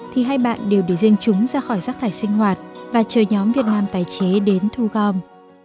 thì hai bạn đều để riêng chúng ra khỏi rác thải sinh hoạt và chờ nhóm việt nam tài chế đến thu gom